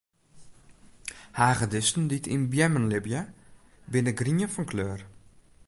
Hagedissen dy't yn beammen libje, binne grien fan kleur.